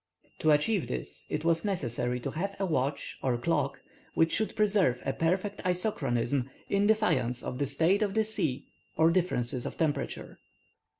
To achieve this it was necessary to have a watch or clock which should preserve a perfect isochronism, in defiance of the state of the sea or differences of temperature.